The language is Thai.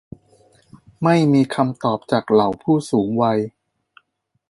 ไม่มีคำตอบจากเหล่าผู้สูงวัย